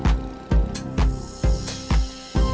jalan atau pake motor